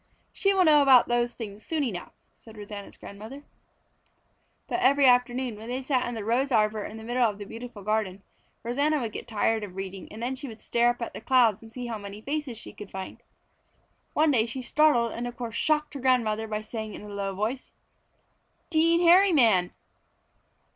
"She will know about those things soon enough," said Rosanna's grandmother. But every afternoon when they sat in the rose arbor in the middle of the beautiful garden, Rosanna would get tired reading and she would stare up at the clouds and see how many faces she could find. One day she startled and of course shocked her grandmother by saying in a low voice, "Dean Harriman!"